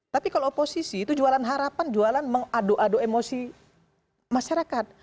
tapi kalau oposisi itu jualan harapan jualan mengadu adu emosi masyarakat